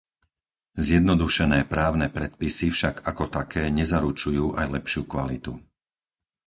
Zjednodušené právne predpisy však ako také nezaručujú aj lepšiu kvalitu.